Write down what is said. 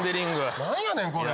何やねんこれ。